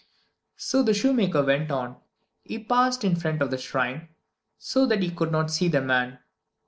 So the shoemaker went on. He passed in front of the shrine so that he could not see the man.